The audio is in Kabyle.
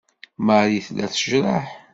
Marie tella tejreḥ.